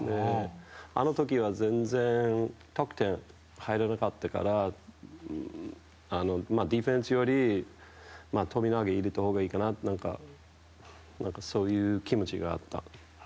あの時は全然、得点が入らなかったからディフェンスより富永入れた方がいいかなというそういう気持ちがあった。